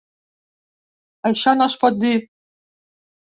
Això no es pot dir.